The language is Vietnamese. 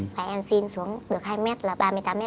và em xin xuống được hai m là ba mươi tám m hai